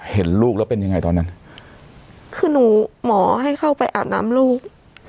เห็นลูกแล้วเป็นยังไงตอนนั้นคือหนูหมอให้เข้าไปอาบน้ำลูก